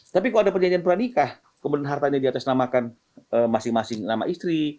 tapi kalau ada perjanjian pernikah kemudian hartanya diatasnamakan masing masing nama istri